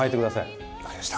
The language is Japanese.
分かりました。